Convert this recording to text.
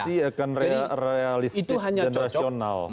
pasti akan realistis dan rasional